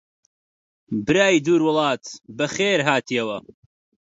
برای دوور وڵات بەخێر هاتیەوە!